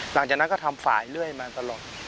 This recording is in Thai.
หลังจากนั้นก็ทำฝ่ายเรื่อยมาตลอด